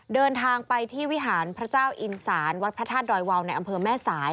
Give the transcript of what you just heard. เดินทางไปที่วิหารพระเจ้าอินศาลวัดพระธาตุดอยวาวในอำเภอแม่สาย